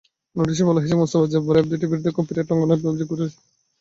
নোটিশে বলা হয়েছে, মোস্তাফা জব্বার অ্যাপ দুটির বিরুদ্ধে কপিরাইট লঙ্ঘনের অভিযোগ করেছেন।